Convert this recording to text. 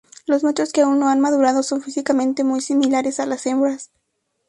Los machos que aún no han madurado son físicamente muy similares a las hembras.